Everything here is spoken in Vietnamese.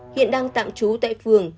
hiện đang tạm trú tại phường